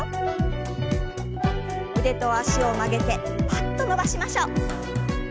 腕と脚を曲げてパッと伸ばしましょう。